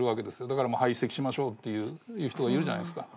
だから排斥しましょうっていう人がいるじゃないですか。